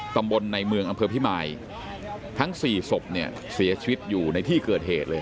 ตำบลในเมืองอำเภอพิมายทั้งสี่ศพเนี่ยเสียชีวิตอยู่ในที่เกิดเหตุเลย